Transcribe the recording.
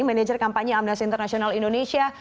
manager kampanye amnesty international indonesia